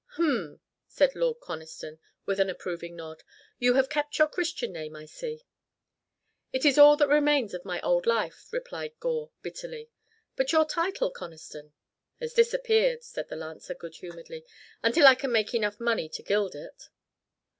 "Hum!" said Lord Conniston, with an approving nod. "You have kept your Christian name, I see." "It is all that remains of my old life," replied Gore, bitterly. "But your title, Conniston?" "Has disappeared," said the lancer, good humoredly, "until I can make enough money to gild it."